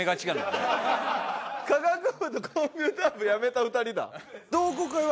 科学部とコンピューター部やめた２人だ。